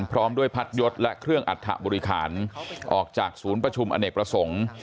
พร้อมด้วยพัดยศและเครื่องอัฐบริหารออกจากศูนย์ประชุมอเนกประสงค์